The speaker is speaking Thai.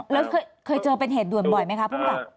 แล้วเคยเจอเป็นเหตุด่วนบ่อยไหมคะภูมิกับ